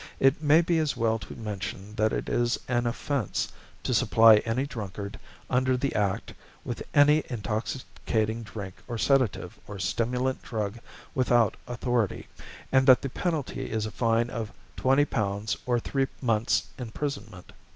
It may be as well to mention that it is an offence to supply any drunkard under the Act with any intoxicating drink or sedative or stimulant drug without authority, and that the penalty is a fine of £20 or three months' imprisonment.